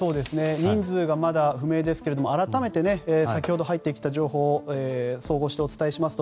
人数がまだ不明ですけども改めて、先ほど入ってきた情報を総合してお伝えします。